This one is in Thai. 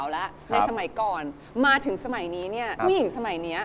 เราอยากได้